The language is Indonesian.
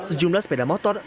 sejumlah sepeda masalah